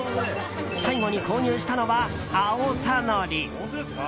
最後に購入したのは、あおさのり。